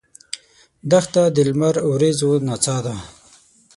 دښته د لمر وریځو نڅا ده.